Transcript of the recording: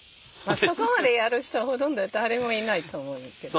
そこまでやる人ほとんど誰もいないと思うんやけど。